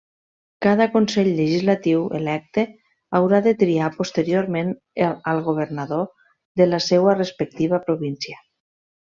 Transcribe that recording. Cada Consell Legislatiu electe haurà de triar posteriorment al Governador de la seua respectiva província.